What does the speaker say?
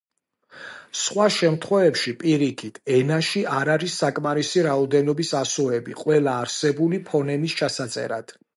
სხვა შემთხვევებში პირიქით, ენაში არ არის საკმარისი რაოდენობის ასოები ყველა არსებული ფონემის ჩასაწერად.